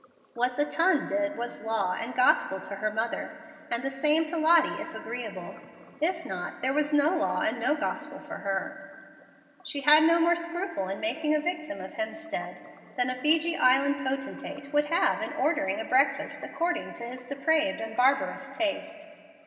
What the TON did was law and gospel to her mother; and the same to Lottie, if agreeable. If not, there was no law and no gospel for her. She had no more scruple in making a victim of Hemstead than a Fiji Island potentate would have in ordering a breakfast according to his depraved and barbarous taste.